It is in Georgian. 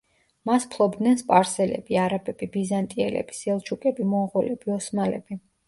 მას ფლობდნენ სპარსელები, არაბები, ბიზანტიელები, სელჩუკები, მონღოლები, ოსმალები.